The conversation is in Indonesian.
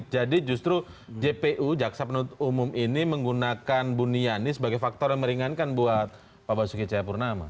jadi justru jpu jaksa penuntut umum ini menggunakan bu niani sebagai faktor yang meringankan buat bapak sukyacaya purnama